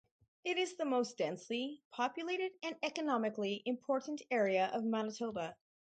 It is the most densely populated and economically important area of Manitoba.